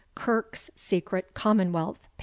KIRKE'S SECRET COMMOMWEALTH, p.